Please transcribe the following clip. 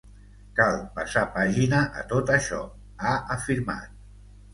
“Cal passar pàgina a tot això”, ha afirmat.